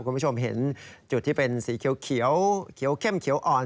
คุณผู้ชมเห็นจุดที่เป็นสีเขียวเข้มเขียวอ่อน